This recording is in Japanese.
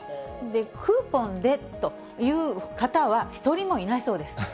クーポンでという方は１人もいないそうです。